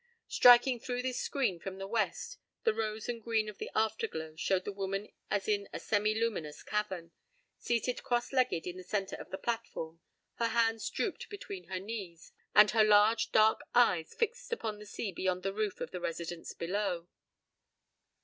Striking through this screen from the west, the rose and green of the afterglow showed the woman as in a semi luminous cavern, seated cross legged in the center of the platform, her hands drooped between her knees, and her large, dark eyes fixed upon the sea beyond the roof of the Residence below.